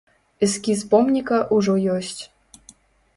Эскіз помніка ўжо ёсць.